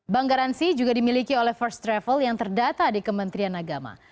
bank garansi juga dimiliki oleh first travel yang terdata di kementerian agama